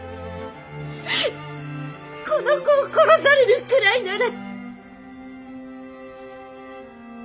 この子を殺されるくらいなら。